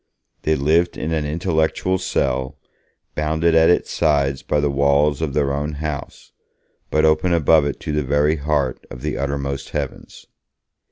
They lived in an intellectual cell, bounded at its sides by the walls of their own house, but open above to the very heart of the uttermost heavens.